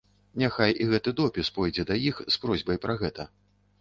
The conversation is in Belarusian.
Няхай і гэты допіс пойдзе да іх просьбай пра гэта.